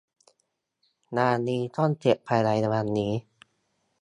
งานนี้ต้องเสร็จภายในวันนี้